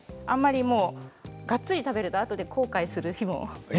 あまり、がっつり食べるとあとで後悔する日も。